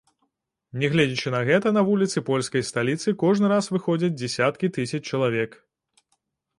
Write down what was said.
Нягледзячы на гэта на вуліцы польскай сталіцы кожны раз выходзяць дзясяткі тысяч чалавек.